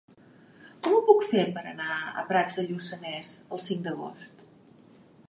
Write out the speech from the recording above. Com ho puc fer per anar a Prats de Lluçanès el cinc d'agost?